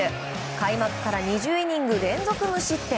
開幕から２０イニング連続無失点。